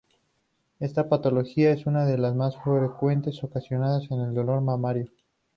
Esta patología es una de las que más frecuente ocasiona el dolor mamario.